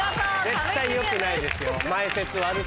絶対良くないですよ。